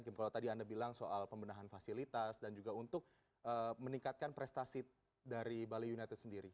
kalau tadi anda bilang soal pembenahan fasilitas dan juga untuk meningkatkan prestasi dari bali united sendiri